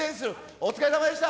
お疲れさまでした。